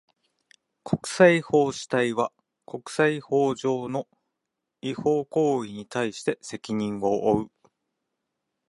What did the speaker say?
国際法主体は、国際法上の違法行為に対して責任を負う。